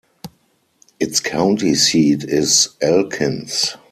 Its county seat is Elkins.